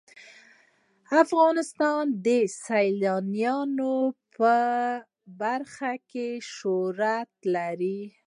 افغانستان د سیلاني ځایونو په برخه کې شهرت لري.